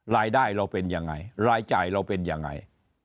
รายได้เราเป็นยังไงรายจ่ายเราเป็นยังไง